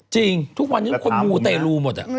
จริงทุกวันนี้คนมูเตรลูหมด